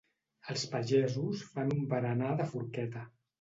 els pagesos fan un berenar de forqueta